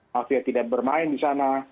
mafia tidak bermain di sana